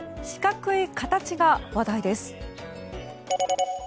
四角い形が話題です。